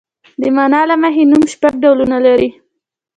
د مانا له مخې نوم شپږ ډولونه لري.